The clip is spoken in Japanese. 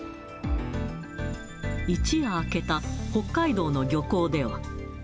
一夜明けた北海道の漁港では。